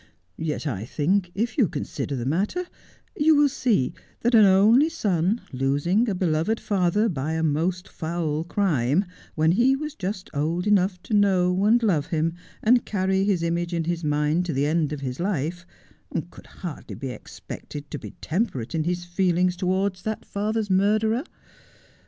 Yet I think if you consider the matter you will see that an only son — losing a beloved father by a most foul crime when he was just old enough to know and love him and carry his image in h's mind to the end of life — could hardly be expected to be tempo: a e in his feelings towards that father's murderer.